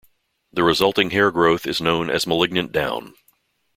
The resulting hair growth is known as malignant down.